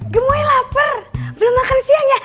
gemui lapar belum makan siang ya